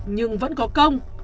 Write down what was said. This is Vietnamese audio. nhưng vẫn có công